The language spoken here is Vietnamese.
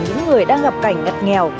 những người đang gặp cảnh ngặt nghèo